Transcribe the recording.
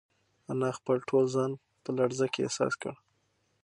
انا خپل ټول ځان په لړزه کې احساس کړ.